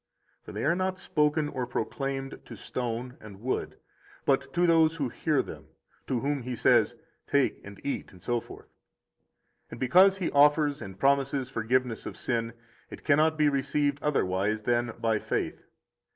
For they are not spoken or proclaimed to stone and wood, but to those who hear them, to whom He says: 34 Take and eat, etc. And because He offers and promises forgiveness of sin, it cannot be received otherwise than by faith.